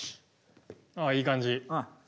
ああいい感じ。